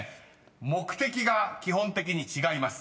目的が基本的に違います］